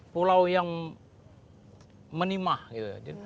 pulau yang menimah gitu